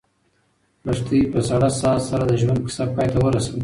لښتې په سړه ساه سره د ژوند کیسه پای ته ورسوله.